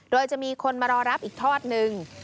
โดยจะมีคนมารอรับอีกทอดนึง